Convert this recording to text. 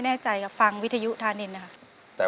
เปลี่ยนเพลงเก่งของคุณและข้ามผิดได้๑คำ